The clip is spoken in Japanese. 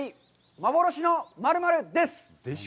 幻の○○」です。